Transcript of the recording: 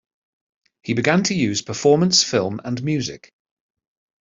He began to use performance, film and music.